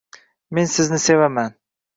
Men sizni sevaman.